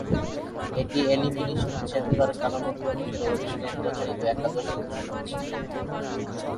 এটি elimination chamber কালানুক্রমিকের অধীনে প্রচারিত একাদশ অনুষ্ঠান ছিল।